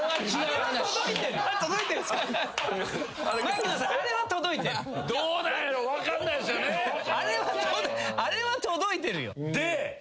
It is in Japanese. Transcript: あれは届いてるよ。